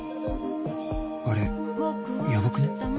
あれヤバくね？